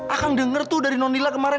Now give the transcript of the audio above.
ah kang denger tuh dari nonila kemarin